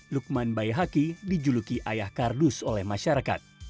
lukman bayahaki dijuluki ayah kardus oleh masyarakat